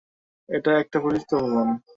এটা একটা পরিত্যক্ত ভবন।